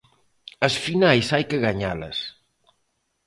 As finais hai que gañalas.